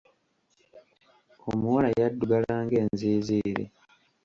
Omuwala yaddugala ng'enziiziiri.